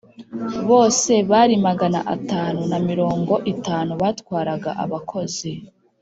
Bose bari magana atanu na mirongo itanu, batwaraga abakozi